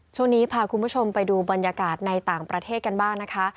ช่วงนี้พาคุณผู้ชมไปดูบรรยากาศในต่างประเทศกันบ้างนะคะ